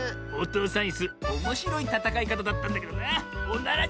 おとうさんイスおもしろいたたかいかただったんだけどな。